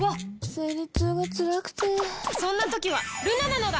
生理痛がつらくてそんな時はルナなのだ！